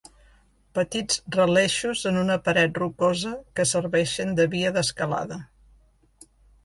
Petits relleixos en una paret rocosa que serveixen de via d'escalada.